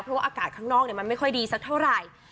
เพราะว่าอากาศข้างนอกมันไม่ค่อยดีสักเท่าไหร่